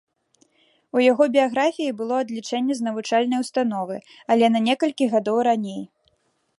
У яго біяграфіі было адлічэнне з навучальнай установы, але на некалькі гадоў раней.